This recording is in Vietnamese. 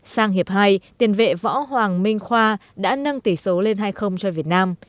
sang hiệp hai tiền vệ võ hoàng minh khoa đã nâng tỷ số lên hai cho việt nam